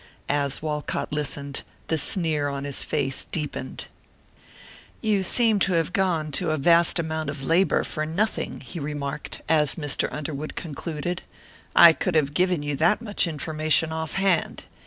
As Walcott listened, the sneer on his face deepened. "You seem to have gone to a vast amount of labor for nothing," he remarked, as Mr. Underwood concluded. "I could have given you that much information off hand.